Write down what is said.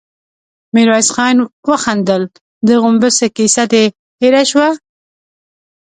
ميرويس خان وخندل: د غومبسې کيسه دې هېره شوه؟